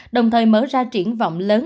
đồng thời mở ra triển vọng lớn